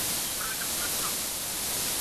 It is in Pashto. خپل ورېښتان په ښه ډول پرې کړئ.